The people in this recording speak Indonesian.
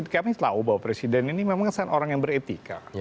kami tahu bahwa presiden ini memang orang yang beretika